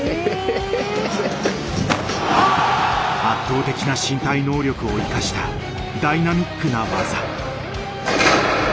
圧倒的な身体能力を生かしたダイナミックな技。